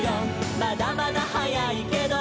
「まだまだ早いけど」